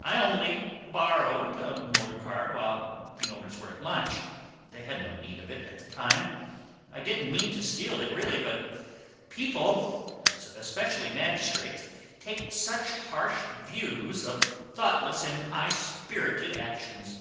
"I only borrowed a motorcar while the owners were at lunch; they had no need of it at the time. I didn't mean to steal it, really; but people—especially magistrates—take such harsh views of thoughtless and high spirited actions."